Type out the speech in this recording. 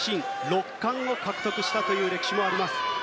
６冠を獲得したという歴史もあります。